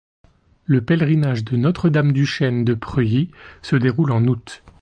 Le pèlerinage de Notre-Dame-du-Chêne de Preuilly se déroule en août.